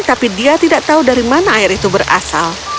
tapi dia tidak tahu dari mana air itu berasal